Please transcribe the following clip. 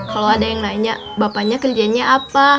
kalau ada yang nanya bapaknya kerjanya apa